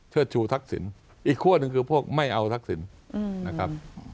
ชูทักษิณอีกขั้วหนึ่งคือพวกไม่เอาทักษิณนะครับ